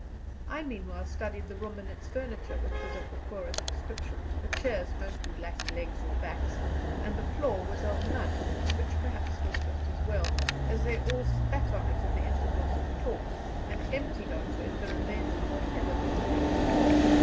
I meanwhile studied the room and its furniture, which was of the poorest description; the chairs mostly lacked legs or backs, and the floor was of mud, which perhaps was just as well, as they all spat on it in the intervals of talk, and emptied on to it the remains of whatever they were drinking.